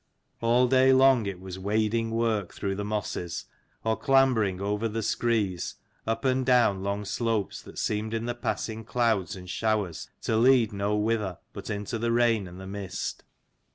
All day long it was wading work through the mosses, or clambering over the screes, up and down long slopes that seemed in the passing clouds and showers to lead nowhither but into the rain and the mist.